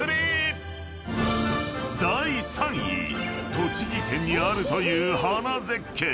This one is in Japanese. ［栃木県にあるという花絶景］